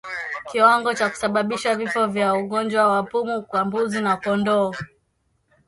Kiwango cha kusababisha vifo vya ugonjwa wa pumu kwa mbuzi na kondoo